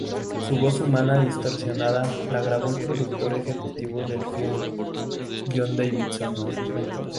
Su voz humana distorsionada la grabó el productor ejecutivo del filme, Jon Davison.